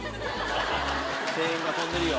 声援が飛んでるよ